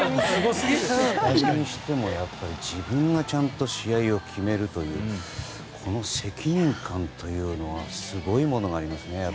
そして、自分がちゃんと試合を決めるというこの責任感というのはすごいものがありますよね。